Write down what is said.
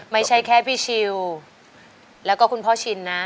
ไม่ใช่แค่พี่ชิลแล้วก็คุณพ่อชินนะ